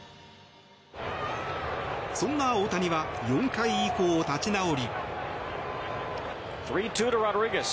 そんな大谷は４回以降、立ち直り。